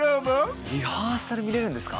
リハーサル見れるんですか。